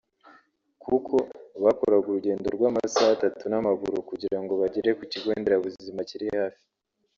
kuko bakoraga urugendo rw’amasaha atatu n’amaguru kugira ngo bagere ku kigo nderabuzima kiri hafi